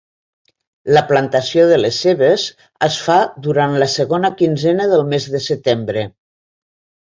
La plantació de les cebes es fa durant la segona quinzena del mes de setembre.